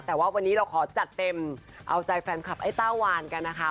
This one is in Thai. แต่ว่าวันนี้เราขอจัดเต็มเอาใจแฟนคลับไอ้ต้าวานกันนะคะ